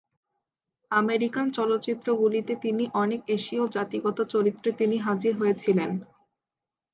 American চলচ্চিত্রগুলিতে তিনি অনেক এশীয় জাতিগত চরিত্রে তিনি হাজির হয়েছিলেন।